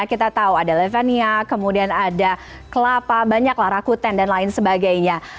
kita tahu ada levania kemudian ada kelapa banyaklah rakuten dan lain sebagainya